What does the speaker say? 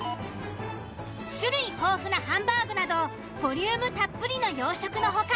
種類豊富なハンバーグなどボリュームたっぷりの洋食の他